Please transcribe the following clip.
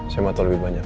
saya mampu lebih banyak